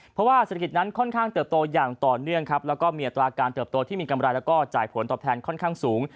เพราะว่าเศรษฐกิจนั้นค่อนข้างเติบโตอย่างต่อเนื่องครับแล้วก็มีอัตราการเติบโตที่มีกำไรแล้วก็จ่ายผลตอบแทนค่อนข้างสูง